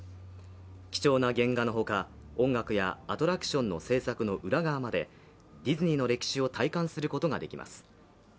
貴重な原画のほか、音楽やアトラクションの制作の裏側までディズニーの歴史を体感することができます。